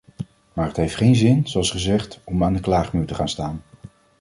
Maar het heeft geen zin, zoals gezegd, om aan de klaagmuur te gaan staan.